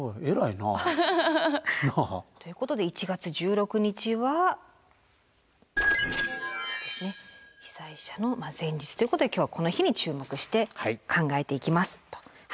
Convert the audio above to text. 偉いな。ということで１月１６日はそうですね被災者の前日ということで今日はこの日に注目して考えていきますと。